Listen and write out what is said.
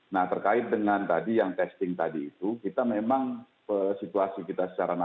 nah terkait dengan tadi yang testing tadi itu kita memang situasi kita secara normal